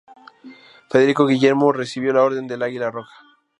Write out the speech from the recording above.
Federico Guillermo recibió la Orden del Águila Roja.